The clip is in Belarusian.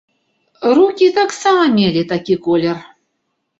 Рукі таксама мелі такі колер.